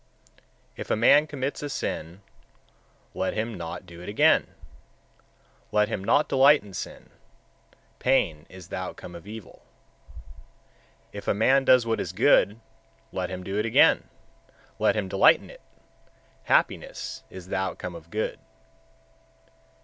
117. If a man commits a sin, let him not do it again; let him not delight in sin: pain is the outcome of evil. 118. If a man does what is good, let him do it again; let him delight in it: happiness is the outcome of good.